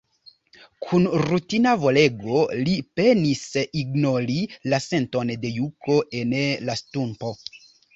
Kun rutina volego, li penis ignori la senton de juko en la stumpo.